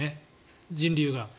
人流が。